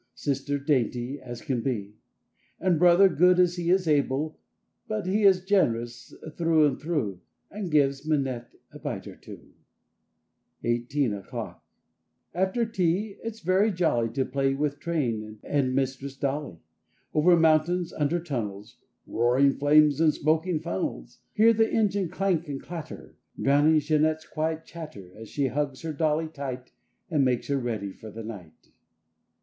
Sister dainty as can be, And Brother good as he is able. But he is generous through and through, And gives Minette a bite or two. 45 SEVENTEEN O'CLOCK 47 EIGHTEEN O'CLOCK 4ETER tea it's very jolly lTL To play with train and Mistress Dolly. Over mountains, under tunnels, Roaring flames and smoking funnels— Hear the engine clank and clatter! Drowning Jeanette's quiet chatter As she hugs her dolly tight And makes her ready for the night.